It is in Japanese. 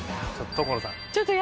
所さん